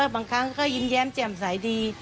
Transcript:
บางครั้งก็ยิ้มแย้มแจ่มใสดี